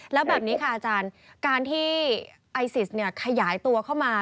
แล้วแบบนี้ค่ะอาจารย์การที่ไอซิสขยายตัวเข้ามา